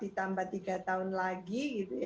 ditambah tiga tahun lagi